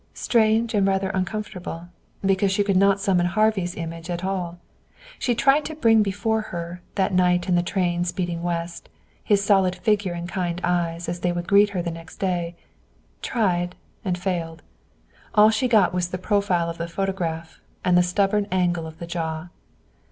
Strange and rather uncomfortable. Because she could not summon Harvey's image at all. She tried to bring before her, that night in the train speeding west, his solid figure and kind eyes as they would greet her the next day tried, and failed. All she got was the profile of the photograph, and the stubborn angle of the jaw.